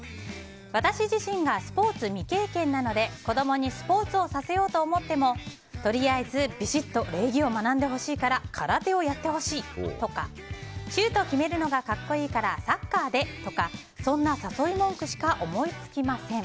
私自身がスポーツ未経験なので子供にスポーツをさせようと思ってもとりあえず、びしっと礼儀を学んでほしいから空手をやってほしいとかシュートを決めるのが格好いいからサッカーでとそんな誘い文句しか思いつきません。